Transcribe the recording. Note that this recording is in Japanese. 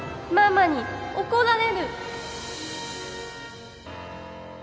ママに怒られる。